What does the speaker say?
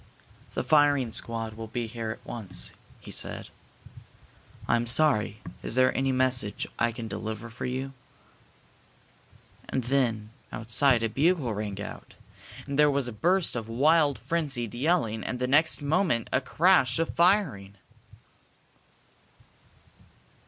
"The firing squad will be here at once," he said. "I am sorry. Is there any message I can deliver for you?" And then outside a bugle rang out, and there was a burst of wild, frenzied yelling and the next moment a crash of firing.